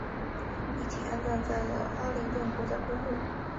遗体安葬在了阿灵顿国家公墓